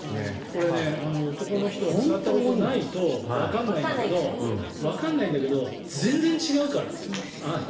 これ、男の人は使ったことがないとわかんないんだけど全然違うから。